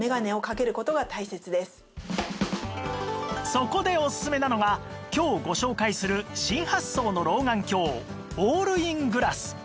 そこでオススメなのが今日ご紹介する新発想の老眼鏡オールイングラス